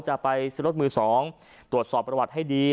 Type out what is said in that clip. จะไปซื้อรถมือ๒ตรวจสอบประวัติให้ดี